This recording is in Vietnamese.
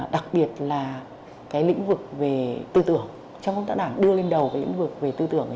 đặc biệt là cái lĩnh vực về tư tưởng trong công tác đảng đưa lên đầu cái lĩnh vực về tư tưởng